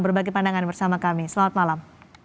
berbagi pandangan bersama kami selamat malam